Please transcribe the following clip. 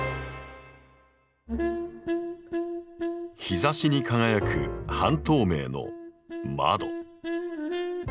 日ざしに輝く半透明の「窓」。